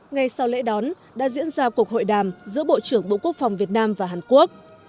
ngay sau lễ đón đã diễn ra cuộc hội đàm giữa bộ trưởng bộ quốc phòng việt nam và hàn quốc